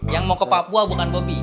yang mau ke papua bukan bobi